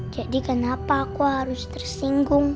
jadi kenapa aku harus tersinggung